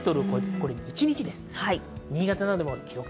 これは一日です。